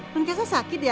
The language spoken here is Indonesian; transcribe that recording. nun kasia sakit ya